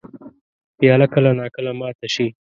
پیاله کله نا کله ماته شي.